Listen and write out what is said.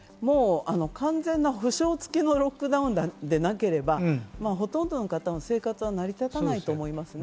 完全な補償付きのロックダウンでなければほとんどの方の生活は成り立たないと思いますね。